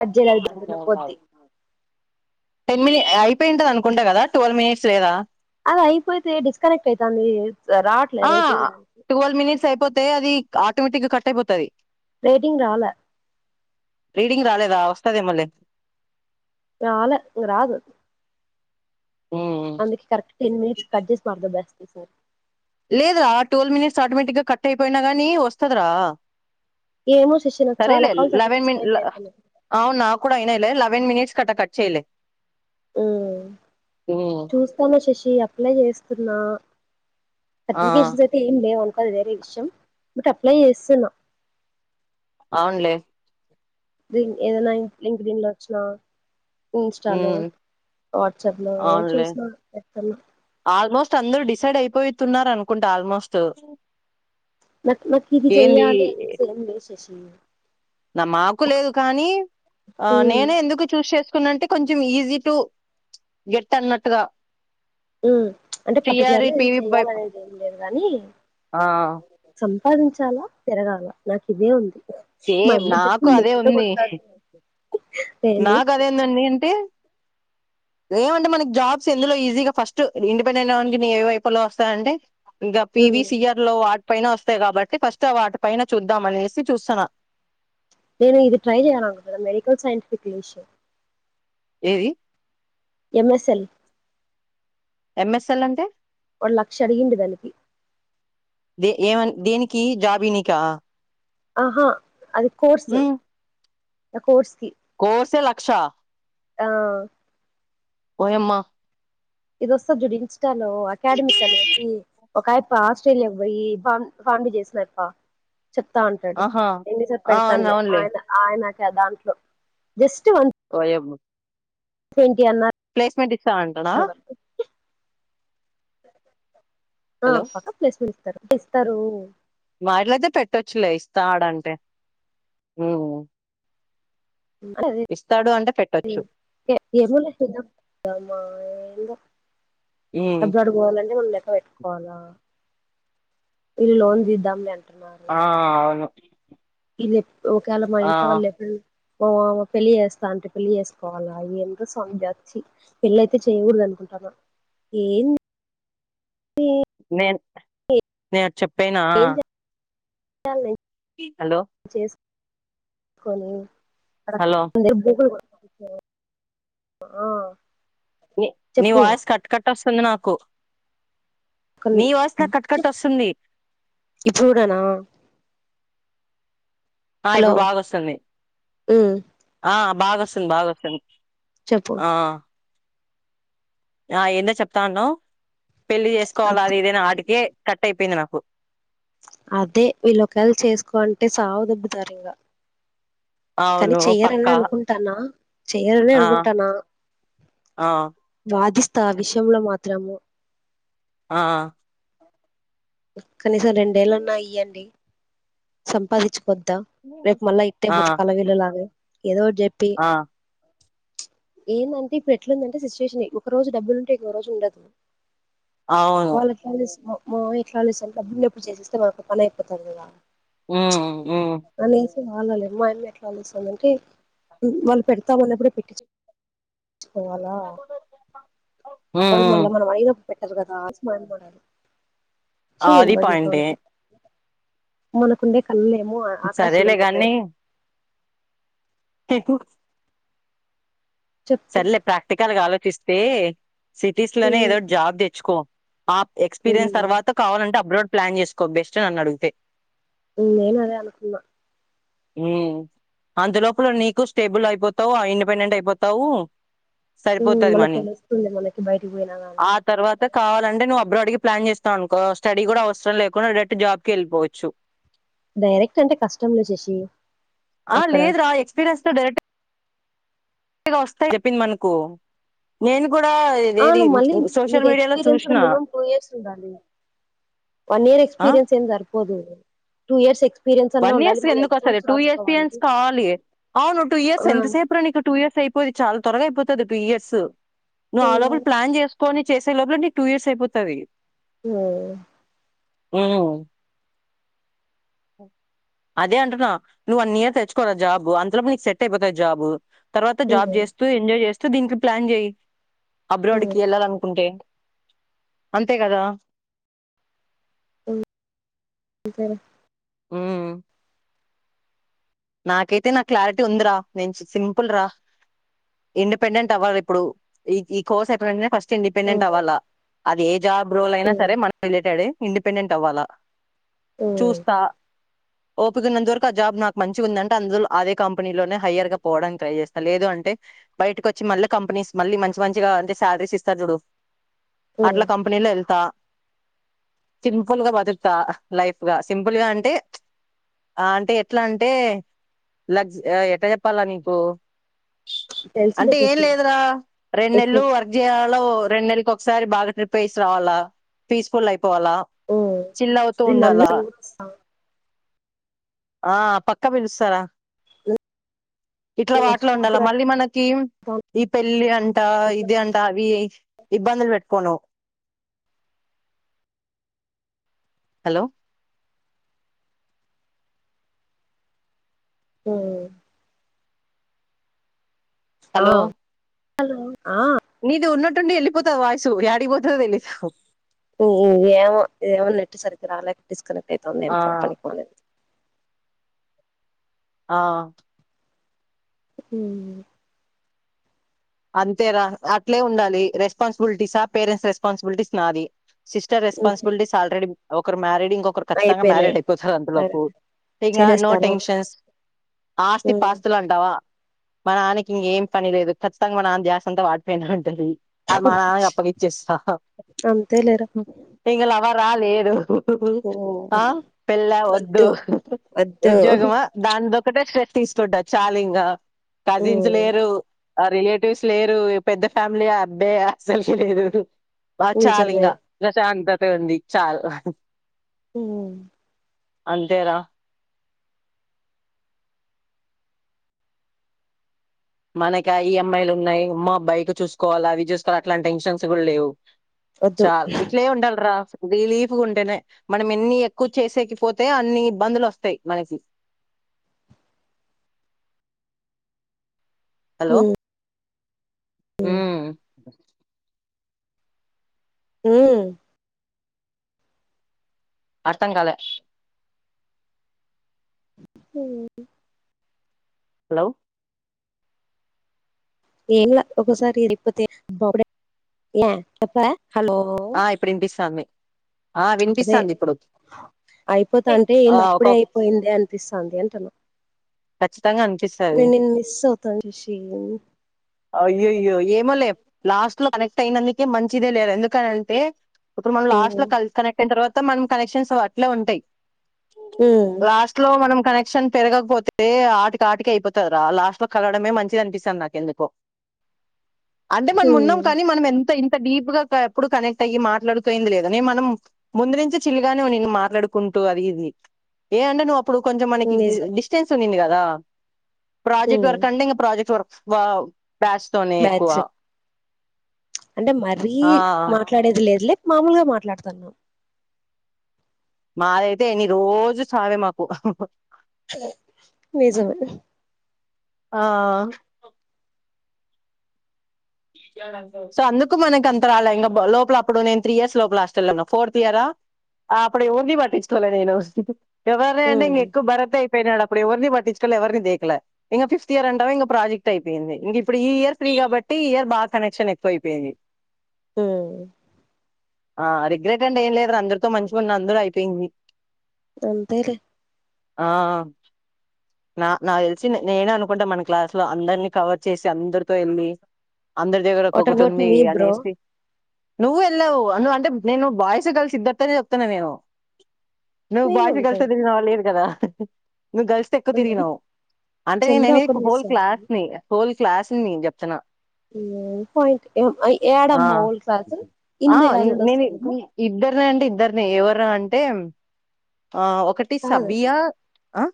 Cut చేయలేదు దాంట్లో పోద్ది టెన్ మిన్ అయిపోయింటంది అనుకుంటా కదా ట్వెల్వ్ మినేట్స్ లేదా అధయిపోతే డిస్కనెక్ట్ అయితందే ఆ ట్వెల్వ్ మినిట్ ట్స్ అయిపోతే అది ఆటోమేటిక్ గా కట్ అయిపోతది రేటింగ్ రాలా రీడింగ్ రాలేదా వస్తదేమోలే రాలే ఇంగ రాదు ఉమ్ అందుకే కరక్ట్ టెన్ మినిట్స్ మాట్లాడం బెస్ట్ కే సార్ లేదురా ట్వెల్వ్ మినేట్స్ ఆటోమేటిక్ గా కట్ అయిపోయినా గానీ వస్తది రా ఏమో శశి నాకు సరే చాలా లే కాల్స్ అట్ట లెవెన్ మిన్ డిస్కనెక్ట్ అయిపోయినాయి అవును నాక్ కూడా అయినయి లే వేన్ మిట్స్కట్ట కట్ చేయిలే హ్మ్ చూస్తాను శశి అప్లై చేస్ తున్నా ఆ సర్టిఫికేషన్స్ అయితే ఏం లేే అన్ అది వేరే విషయం బట్ అప్లై చేస్సున్నా అవున్లే ఏదన్నా లింక్ డిన్ ఒచ్చినా ఇన్స్టాలో ఉమ్ వాట్సాప్ లో ఏ చూసిన తందరు డిసైడ్ అయిపోయితున్నార్ అనుకుంట ఆల్మోస్ట్ బట్ నాక్ ఇది ఏంది చెయాల అన్న సే విశేం నా మాకు లేదు కానీ ఆ ఉమ్ నేనే ఎందుకు చూస్ చేస్ నంటే కొంచెం ఈజీ టు గెట్ అన్నట్టుగా అంటే టీఆర్ఈ పర్టికులర్గా ఇది పివి చెయాలనేది ఏం లేదు గాని ఆ సంపాదించాలా తిరగాల నాకు ఇదే ఉంది మా సేమ్ అమ్మ నాకు చెప్పింది అదే మెట్టితో ఉంది కొడతాది ఏంది నాక్ అదేందండి అంటే మనకి జాబ్స్ ఎందులో ఈజీగా ఫస్ట్ ఇండిపెండెంట్ అవనికి న ఏ వైపులో వస్తాన అంటే ఇంకా పివి ఉమ్ సిఆర్ లో పైన వస్తాయ్ కాబట్టి ఫస్ట్ వాటి పైన చూద్దామ్ అనేసి చూస్తున్నా నేను ఇది ట్రై చేయాలద మెడికల్ సైంటిఫిక్ ఏషన్ ఏది ఎంఎస్ఎల్ ఎంఎస్ఎల్ అంటే ఒళ్ళక్షడిగింది దానికి ఏమ దేనికి జాబీనీకా అహా అది కోర్స్ కోర్స్ కి కోర్సె లక్ క్షా ఆ ఓయమ్మా ఇదొ సర్ చలో అకేడమిక కలిసి ఒకయ ఆస్ట్రేలియాకు బోయి బా బాం చేసినప్ప చెప్తా ఉంటడు ఆహా ఎన్నిసా ఆ అవును పెడతానులే అవునులే ఆయన ఆయన దాంట్లో జస్ట్ ఓయబ్బొ థంక్యూ ప్లేస్మెంట్ ఇస్త అంటనా ఆ హలో పక్క ప్లేస్మెంట్ పట్టిస్తారు మాటిలయితే పెట్టొచ్చులే ఇస్తాడంటే అ ఇస్తాడు అంటే పెట్టొచ్చు. ఎధదమా [unintelligible] హ్మ్. అబ్రాడుకు పోవాలంటే ఉండ్లేం పెట్టుకోవాల ఇల్ లోన్ తిందాంలే అన్ ఆ అవును ఇలేప్ ఒకేయాళ మా ఆ! ఇంట్లో వాళ్ళు ఎప్పుడు మా పెళ్లి చేస్తా అంటే పెళ్లి చేసుకోవాలా ఏందో సామి ద చ్చి పెళ్ళ అయితే చేయకూడదు అనుకుంటన ఏంది నేను నేను అట చెప్ పేనా ఏం హలో కొనీ హలో! [unintelligible] ఆ నీ నీ చెప్పు వాయ్ స్ కట్ కట్ వసంధి నాకు కన్ నీ వాయిస్ నాకు కట్ కట్ చెప్ వస్తుంది. ఇప్పుడు కూడా నా ఆ ఇప్పుడు బాగాొస్తుంది ఉమ్, ఆ భగోసుంది భాగోతంది చెప్పు ఆ ఆ ఏందో చెప్తా అన్నావ్ పెళ్లి అ- చేసుకోవాలి అది ఇదేనా ఆటికే కట్ అయిపోయింది నాకు కు అదే వీళ్ళ ఒకేళ చేసుకో అంటే సావ దొ బ్బుతరిం గా కానీ అవును. చెయ్యరని పక్కా. అనుకుంటానా చెయ్యర ని ఆ! అనుకుంటానా ఆ! వాదిస్ స్థ ఆ విషయంలో మాత్రము ఆ కనీసం రెండేళ్ళన్నా ఇయ్యాన్డి సంపాదించు కొద్దా రేపు మళ్ళా ఇట్టే ఆ! బతకాలవీలలాగనే ఏదోకటి చెప్పి ఆ! ఏందంటే ఇప్పుడు ఎట్లుందంటే సిచ్యువేషన్ ఒక రోజు డబ్బులు ఉంటె ఇంకోఒక రోజు ఉండదు అవును. వాల కలిస్లో మూవి కాలిస్సా ఎప్పుడు చేసస్తేళ్నకు పని అయిపోతారు కదా ఉ వాళాల అమ్మాయిమ్మ ఎట్లా అందిస్తుందింటే వాళ్ళు పెడతామన్నప్పుడే పెట్టిచ్ పోవాల హ్మ్. వళ మళ హ్మ్. మన వైదో పెట్టారు కదా ఆస్మాన్ మాలై ఆది పాయింటే మనకుందే కల్లే ము సరేలే ఆకాశమందుతాయి గాని కుడు చెప్పు సరేలే ప్రాక్టికల్ గా ఆలోచిస్ తే సిటీస్ లోనే ఏదోటి జాబ్ తెచ్చుకో ఆప్ ఎక్స్పీరియన్స్ తర్వాత కావాలంటే అప్లోడ్ ప్లాన్ చేసుకో బెస్ట్ అన్నాడు అంతే నేను అదే అనుకున్నా ఉ అంతలోపల నీకు స్టేబుల్ అయిపోతావు ఆ ఇండిపెండెంట్ అయిపోతావు సరిపోతది మళ్ళ మనీ తెలుస్తుంది మనకి బయటికి పోయినా గాని ఆ తర్వాత కావాలంటే నువ్వు అప్ ఫిబ్రవరికి ప్లాన్ చేస్తాం అనుకో స్టడీ కూడా అవసరం లేకుండా డైరెక్ట్ జాబ్కిి వెళ్ళిపోవచ్చు డైరెక్ట్ అంటే కష్టంలో చేష్ ఆ లేదు రా ఎక్స్పీరియన్స్ తో డైరెక్ట్ గా వస్తాయి చెప్పింది మనకు నేను కూడా ఇదేది అవును మళ్ళీ నీకు సోషల్ మీడియాలో ఎక్స్పీరియన్స్ కూడా చూసిన మినిమం పోయోసి గాని వన్ ఇయర్ ఆ ఎక్స్పీరియన్స్ ఏం సరిపోదు టూ ఇయర్ స్ ఏ వన్ ఇయర్స్ ఎందుకు వస్తదే టూ ఇయర్స్ తియన్స్ కాలి అవును టూ ఇయర్స్ ఎంత సేపు రా నీకు టూ ఇయర్స్ అయిపోయి చాల్ త్వరగైయిపోతది టుూ ఇయర్స్ నువ్వు ఆ లోపలి ప్లాన్ చేసుకోొని చేసే లోపలే నీకు టూ ఇయర్స్ అయిపోతది అ ఆ అదే అంటున్నా నువ్వు వన్ ఇయర్ తెచ్చుకోరా జాబు అంతలోప నీకు సెట్ అయిపోతాయి జాబు తర్వాత జాబ్ చేస్తూ ఎంజాయ్ చేస్ సో దీనికి ప్లాన్ జెయి అబ్ రోడ్డికి వెళ్ళాలనుకుంటే అంతే కదా సర ఆ నాకైతే నా క్లారిటీ ఉందిరా నేను సి సింపుల్ రా ఇండిపెండెంట్ అవ్వాలి ఇప్పుడు ఈ ఈ కోర్స్ ఎక్కడుందో ఫస్ట్ ఇండిపెండెంట్ అవ్వాలా అదే జాబ్ రోల్ అయినా సరే మన రిలేటెడ్ ఇండిపెండెంట్ అవ్వాలా చూస్తా అవుతుందన్న వరకు ఆ జబ్ నా మంచిగుందంటే అందులో అదే కంపెనీలోనే హైయర్ గా పోవడానికి ట్రై చేస్తా లేదు అంటే బయటకు వచ్చి మళ్ళీ కంపెనీస్ మళ్ళీ మంచి మంచిగా అంటే శాలరీస్ ఇస్తారు చూడు అట్లా కంపెనీలో వెళ్తా సింపుల్గా బతుకుతా లైఫ్ గా సింపుల్గా అంటే ఆ అంటే ఎట్లా అంటే లగ ఎట్ట చెప్పాలి నీకు తెలుసులే అంటే ఏం శశి లేదురా రెండు నెల్లు ఎక్కువ వర్జీయాలో రెండు నెల్ల కో ఒకసారి బాగా ట్రిప్ వేసి రావాలా పీస్ఫుల్ అయిపో పోవాల చిల్లవుతూ ఉండాల నన్ను నన్ను ఆ పక్కా పిలుస్తారా ఇట్లా వాటిలో ఉండాల మర్చిపోద్దురా మళ్ళీ మనకి ఈ పెళ్లి అంట ఇది అంట అవి ఇబ్బందులు పెడ కొను హలో హ ఆ హలో హలో ఆ నీది ఉన్న డి వెళ్ళపోతు వాయిసు యాడిపో ఉ ఉ ఏమో ఏమో నెట్టు సరి రాల కనెక్ట్ అయితాంది ఆ కానీ కనెక్ట్ అవ్వలేదు ఆ అ అంతే రా అట్లే ఉండాలి రెస్పాన్బిలిటీసా పేరెంట్స్ రెస్పాన్బిలిటీస్ నాది సిస్టర్ ఇంకే రెస్పాన్సిబలిటీస్ ఆల్రెడీ ఒకరు మ్యారీడ్ ఇంకొకరు ఖచ్చితంగా అయిపోయినాయి మ్యారేడ్ అయిపోతారు అంతలోపు ఇక నో చేసేస్తారా టెన్షన్స్ ఆస్తి పాస్తులు అంటావా మా నాన్నకి ఇంకేం పని లేదు కచ్చితంగా నాన్న ద్యాస అంతా వాటిపైనే ఉంటుంది అది మా నాన్న అప్పగిచేస్తా అంతే లేరా వరా లేదు ఆ పెళ్ల వద్దు వద్దు ఉద్యోగమా దాంది ఒకటే స్ట్రెస్ తీస్తుంట చాలింగా కజిన్స్ లేరు ఆ రిలేటివ్స్ లేరు పెద్ద ఫ్యామిలీ అబ్బే అసలికి లేదు బా చాలింగ నిజమే ప్రచాంత తే ఉంది చాలు ఉ అంతేరా మనకి ఆ ఈఎమ్మైలు ఉన్నాయి అమ్మో బైక్ చూసుకోవాలి అవి చూసుకోవాలి అట్లాంటి టెన్షన్స్ కూడా లేవు వద్దు చాలు ఇట్లే ఉండాలరా రిలీఫ్గా ఉంటేనే మనం ఎన్ని ఎక్కువ చేసేక పోతే అన్ని ఇబ్బందులు వస్తాయి మనకి హలో హ [inaudible] హ అతంకాలే హహు హలో ఏన్లే ఒకసారి ఇరిపోతే బ ఏ చెప్పవ ఆ ఇప్పుడు ఇనిపిస్తాంది అదే అయిపోతా అంటే ఆ ఏంది ఒక అప్పుడే అయిపోయింది అనిపిస్తుంది అంటన కచ్చి త్తంగా అనిపిస్తాది అవుతాను శశి అయ్యోయ్యో ఏమో లే లాస్ట్ లో కనెక్ట్ అయినందుకే మంచిదే లేర ఎందుకనింటే ఇప్పుడు మనం లాస్ట్ హ్మ్ కన కనెక్ అయిన తర్వాత మత్తం మనం కనెక్షన్స్ అట్లే ఉంటాయి హ్మ్ లాస్ట్ లో మనం కనెక్షన్ పెరగకపోతే అే ఆటికి ఆటికి అయిపోతారా లాస్ట్ లో కలవడమే మంచిది అనిపిస్తుంది నాకు ఎందుకో అంటే మనం ఉన్నాం హ్మ్ కానీ మనం ఎంత ఇం ఇంత డీప్ గా ఎప్పుడు కనెక్ట్ అయ్యి మాట్లాడుతయింది లేదా నే మనం ముందు నుంచిే చిలిగానే నన్ను మాట్లాడుకుంటూ అది ఇది ఏ అంటే నువ్వు ఇప్పుడు కొంచెం మనకి నిజం డిశ్ సునీంది కాదా ప్రాజెక్ట్ హ్మ్ వర్ అంటే ఇంగ ప్రాజెక్ట్ వర్క్ వావ్ బ్యాస్తోనే ఎక్కువ బ్యాచ్ అంటే మరీ ఆ మాట్లాడేది లేదులే మామూలుగా మాట్లాడుతన్నవ్ మాదైతే ఎన్ని రోజు చావే మాకు నిజమే ఆ సో అందుకు మనకి అంత రాలే ఇంకా లోపల అప్పుడు నేను త్రీ ఇయర్స్ లోపల లాస్ట్ వెళ ఉన్నా ఫోర్త్ ఇయరా అప్పుడు ఏవర్ని పట్టించుకోలేను యూనివర్సిటీ ఎవ్వరా అండి హ్మ్ ఎక్కువ బరతే యి పయినాడు అప్పుడు ఎవరిని పట్టించుకోలే ఎవరిని దేకలే ఇక ఫిఫ్త్ ఇయర్ అంటవా ఇం ప్రాజెక్ట్ అయిపోయింది ఇంగ ఇప్పుడు ఈ ఇయర్ ఫ్రీ కాబట్టి టీ ఇయర్ బా కనెక్షన్ ఎక్కువై పోయిపోయింది హ ఆ రిగ్రెట్ అంటే ఏం లేదుర అందరితో మంచిగ ఉన్న అందరూ అయిపోయింది అంతేలే ఆ నా నాకు తెలిసి నేనే అనుకుంటా మన క్లాస్ లో అందరినీ కవర్ చేసి అందరితో వెళ్ళి అందరి దగ్గర వాట్ ఒక్కొక్కటి అబౌట్ ఉంది మీ బ్రో అనేసి నువ్వు వెళ్ళావు అను అంట నేను బయసు కలిసిద్దరితనే చెప్తాను నేను నువ్ నేను బాయ్స్ తొ అంతే గర్ల్స్ తొ కదా తిరిగినవా లేదు కదా నువ్వు గర్ల్స్ తొ ఎక్కువ మేబీ తిరిగినావు అంటే చంద్ర ఒక్కడు నేననేది మిస్ హోల్ అయ్యాడు క్లాస్ ని హోల్ క్లాస్ ని నేన్ చెప్తున్నా ఉ పాయింట్ ఆ ఏడమ్మా ఓల్డ్ క్లాస్ ఆ ఇంద యనుండోస్తరమ్మా ఎవరఅంటే ఆ ఒకటి కాదు సబియా ఆ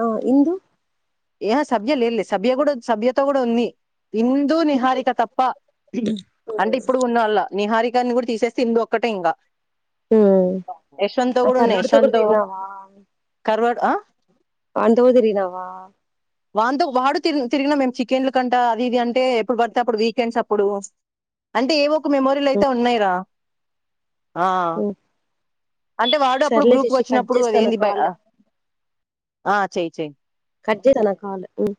ఆ ఇందు ఏహె సభ్య లేదులేదు సభ్య కూడా సభ్యతో కూడా ఉంది హిందు ఇందు నిహారిక తప్ప అంటే హ్మ్ ఇప్పుడు ఉన్న వాళ్ళ నిహారిక న్ని కూడా తీసేస్తే ఇందు ఒక్కటే ఇంగ ఏశ్వంతో కూడ ఉన్నాయ్ ఏష్ తొ కుడ తిరిగినవా వడ్ ఆ వాంతో కూడా తిరిగినవ వాంతో వాడు తీర్ తిరిగిన మేము చికెన్ల కంట అది ఇది అంటే ఎప్పుడు పడితే అప్పుడు వీకెండ్స్ అప్పుడు అంటే ఏవో మెమోరీలు అయితే ఉన్నాయిరా ఆ ఉమ్, అంటే వాడు అప్పుడు సర్లే గ్రూప్గ శశి కట్ వచ్చినప్పుడు చేస్తాను అదేంది బయి కాల్ ఆ చెయి చెయి కట్ చెయ్ లా నా కాల్ మ్మ్